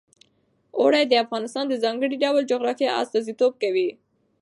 اوړي د افغانستان د ځانګړي ډول جغرافیه استازیتوب کوي.